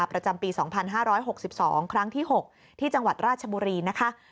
ประจำปี๒๕๖๒ครั้งที่๖ที่จังหวัดราชบุรีนะคะ